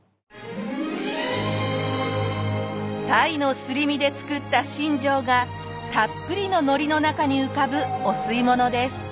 鯛のすり身で作ったしんじょうがたっぷりの海苔の中に浮かぶお吸い物です。